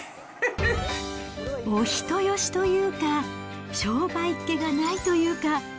お人よしというか、商売っ気がないというか。